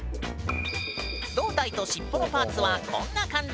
胴体と尻尾のパーツはこんな感じ。